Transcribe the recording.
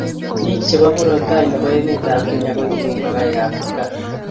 Bik chebo murot tai nebo emetab Kenya koribei ngokaikab kipkaa